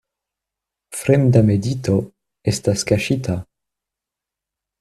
Fremda medito estas kaŝita.